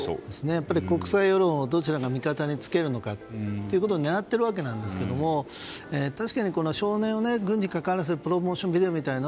やっぱりどちらも国際世論を味方につけるということを狙っているわけですが確かに少年を軍に関わらせるプロモーションビデオみたいな。